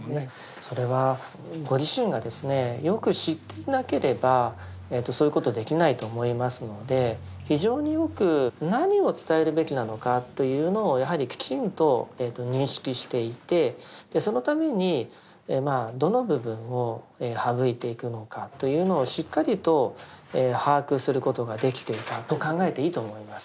それはご自身がよく知っていなければそういうことできないと思いますので非常によく何を伝えるべきなのかというのをやはりきちんと認識していてそのためにまあどの部分を省いていくのかというのをしっかりと把握することができていたと考えていいと思います。